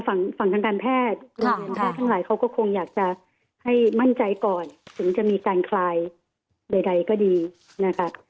ฝั่งทางการแพทย์ทั้งหลายเขาก็คงอยากจะให้มั่นใจก่อนถึงจะมีการคลายใดก็ดีนะคะ